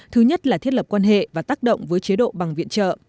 thứ nhất là thiết lập quan hệ và tác động với chế độ bằng viện trợ